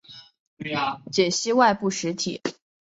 解析外部实体。